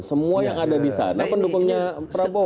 semua yang ada disana pendukungnya prabowo